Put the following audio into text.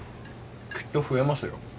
きっと増えますよ。